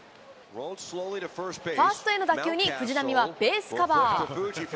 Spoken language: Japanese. ファーストへの打球に、藤浪はベースカバー。